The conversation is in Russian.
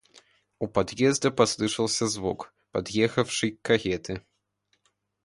У подъезда послышался звук подъехавшей кареты.